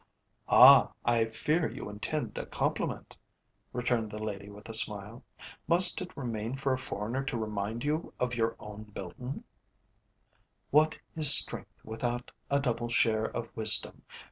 "Ah! I fear you intend a compliment," returned the lady with a smile. "Must it remain for a foreigner to remind you of your own Milton? 'What is strength without a double share Of wisdom?